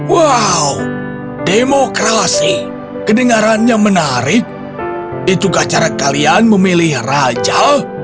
wow demokrasi kedengarannya menarik itukah cara kalian memilih raja